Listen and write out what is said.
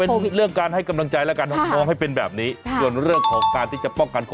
เรื่องการให้กำลังใจแล้วกันน้องให้เป็นแบบนี้ส่วนเรื่องของการที่จะป้องกันคน